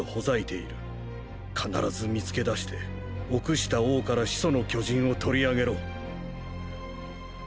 必ず見つけ出して臆した王から「始祖の巨人」を取り上げろ。